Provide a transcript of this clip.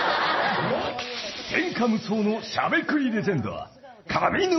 ［天下無双のしゃべくりレジェンド］